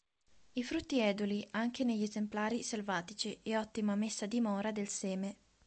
I frutti eduli, anche negli esemplari selvatici, e ottima messa a dimora del seme.